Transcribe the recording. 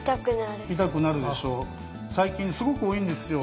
最近すごく多いんですよ。